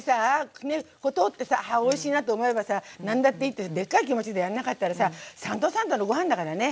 ここ通ってさはあおいしいなって思えばさ何だっていいっていうでっかい気持ちでやんなかったらさ三度三度のご飯だからね。